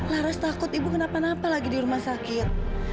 laras takut ibu kenapa napa lagi di rumah sakit